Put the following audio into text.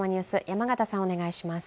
山形さん、お願いします。